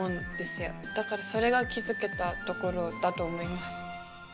だからそれが気付けたところだと思います。